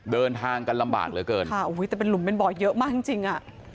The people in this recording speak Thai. เดินทางกันลำบากเหลือเกินค่ะแต่เป็นหลุมเป็นบ่อเยอะมากจริงจริงอ่ะ